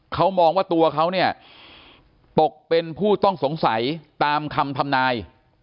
เขามองว่าตัวเขาเนี่ยตกเป็นผู้ต้องสงสัยตามคำทำนาย